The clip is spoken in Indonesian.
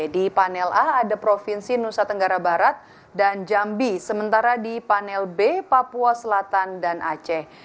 di panel a ada provinsi nusa tenggara barat dan jambi sementara di panel b papua selatan dan aceh